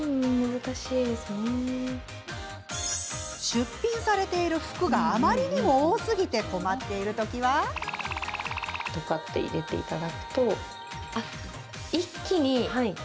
出品されている服があまりにも多すぎて困っている時は。とかって入れていただくと。